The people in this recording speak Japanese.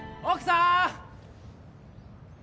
奥さん！